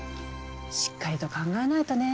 しっかりと考えないとね。